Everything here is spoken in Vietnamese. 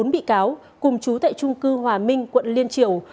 bốn bị cáo cùng chú tại trung cư hòa minh quận liên triều